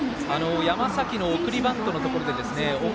山崎の送りバントのところで大垣